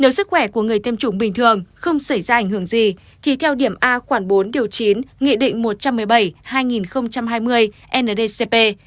nếu sức khỏe của người tiêm chủng bình thường không xảy ra ảnh hưởng gì thì theo điểm a khoảng bốn điều chín nghị định một trăm một mươi bảy hai nghìn hai mươi ndcp